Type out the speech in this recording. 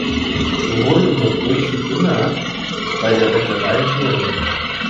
Wir holen unsere Brötchen immer bei der Bäckerei Gehring.